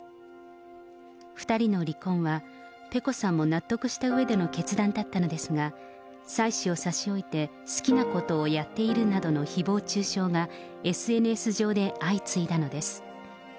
２人の離婚はペコさんも納得したうえでの決断だったのですが、妻子を差し置いて好きなことをやっているなどのひぼう中傷が、ＳＮＳ上で相次いだのです。